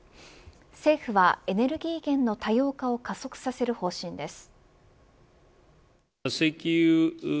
政府はエネルギー源の多様化を加速させる方針です。